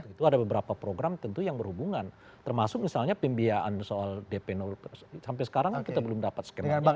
itu ada beberapa program tentu yang berhubungan termasuk misalnya pembiayaan soal dp sampai sekarang kan kita belum dapat skemanya